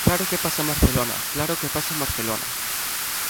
¡Claro que pasa en Barcelona!, ¡claro que pasa en Barcelona!